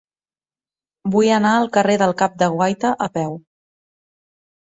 Vull anar al carrer del Cap de Guaita a peu.